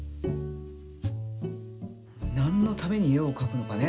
なんのために絵をかくのかね。